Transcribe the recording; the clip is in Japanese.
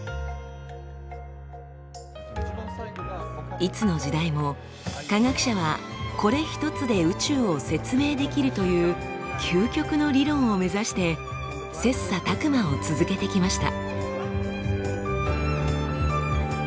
いつの時代も科学者はこれ一つで宇宙を説明できるという究極の理論を目指して切磋琢磨を続けてきました。